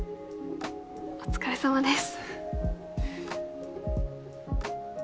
お疲れさまです。